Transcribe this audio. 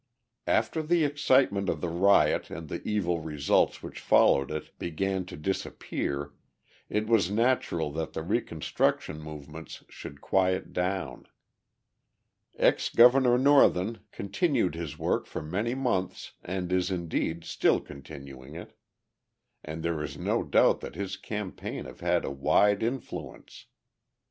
After the excitement of the riot and the evil results which followed it began to disappear it was natural that the reconstruction movements should quiet down. Ex Governor Northen continued his work for many months and is indeed, still continuing it: and there is no doubt that his campaigns have had a wide influence.